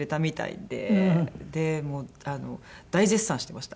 でもう大絶賛してました。